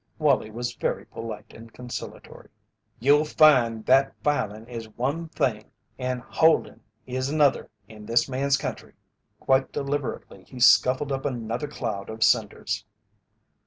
Wallie was very polite and conciliatory. "You'll find that filin' is one thing and holdin' is another in this man's country." Quite deliberately he scuffled up another cloud of cinders.